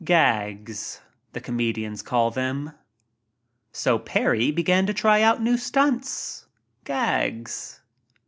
"Gags," the comedians call them. So Parry began to try out new stunts — "gags."